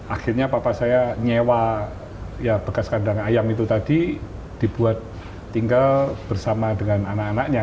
akhirnya papa saya nyewa bekas kandang ayam itu tadi dibuat tinggal bersama dengan anak anaknya